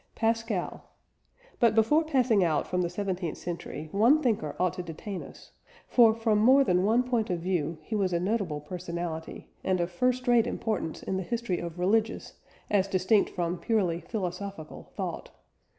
PASCAL. But before passing out from the seventeenth century, one thinker ought to detain us; for from more than one point of view he was a notable personality, and of first rate importance in the history of religious, as distinct from purely philosophical thought.